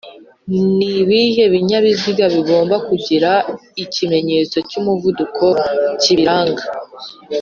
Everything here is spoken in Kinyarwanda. Nibihe binyabiziga bigomba kugira ikimenyetso cy’umuvuduko kibiranga